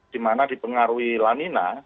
di mana dipengaruhi lanina